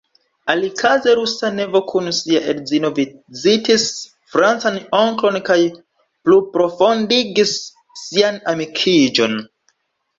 Alikaze rusa nevo kun sia edzino vizitis francan onklon kaj pluprofondigis sian amikiĝon.